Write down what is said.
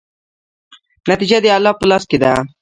نتیجه د الله په لاس کې ده.